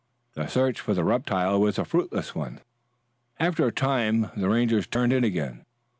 The search for the reptile was a fruitless one. After a time the Rangers turned in again.